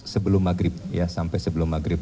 sebelum maghrib ya sampai sebelum maghrib